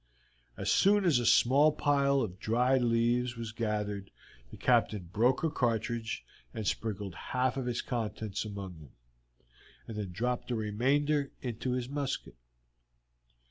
As soon as a small pile of dried leaves was gathered the Captain broke a cartridge and sprinkled half its contents among them, and then dropped the remainder into his musket.